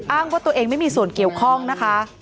ว่าตัวเองไม่มีส่วนเกี่ยวข้องนะคะ